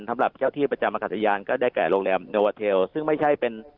สำหรับเจ้าที่ประจำอากาศยานก็ได้แก่โรงแรมโนวาเทลซึ่งไม่ใช่เป็น